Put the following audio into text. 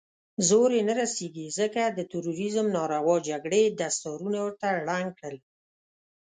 زور يې نه رسېږي، ځکه د تروريزم ناروا جګړې دستارونه ورته ړنګ کړل.